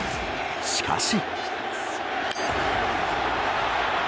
しかし。